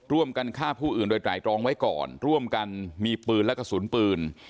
ร่วมกันฆ่าผู้อื่นโดยไตรรองไว้ก่อนร่วมกันมีปืนและกระสุนปืน